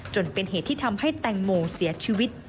จนเป็นเหตุที่ทำให้แตงโมเสียชีวิต